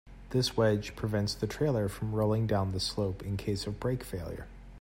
This wedge prevents the trailer from rolling down the slope in case of brake failure.